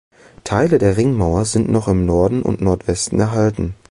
Teile der Ringmauer sind noch im Norden und Nordwesten erhalten.